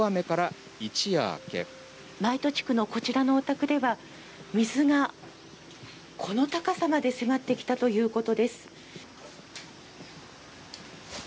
舞戸地区のこちらのお宅では水がこの高さまで迫ってきたということです。